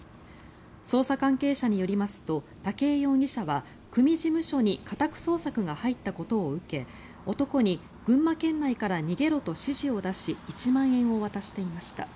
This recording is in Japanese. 捜査関係者によりますと武井容疑者は組事務所に家宅捜索が入ったことを受け男に群馬県内から逃げろと指示を出し１万円を渡していました。